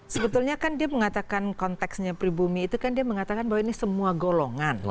sebetulnya kan dia mengatakan konteksnya pribumi itu kan dia mengatakan bahwa ini semua golongan